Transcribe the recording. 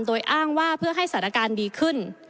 โดยอ้างว่าเพื่อให้สถานการณ์ดีขึ้น